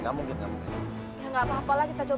gak apa apalah kita coba cari dulu